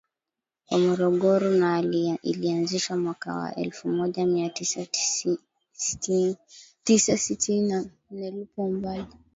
wa Morogoro na ilianzishwa mwaka wa elfu moja mia tisa sitini na nneIpo umbali